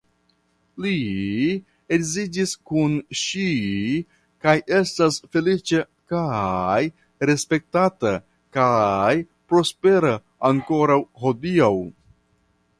Li edziĝis kun ŝi kaj estas feliĉa kaj respektata kaj prospera ankoraŭ hodiaŭ.